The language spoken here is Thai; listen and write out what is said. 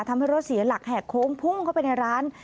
ทำให้รถเสียหลักแหกโค้งพุ่งเข้าไปในร้าน